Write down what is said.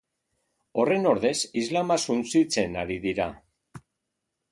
Horren ordez, islama suntsitzen ari dira.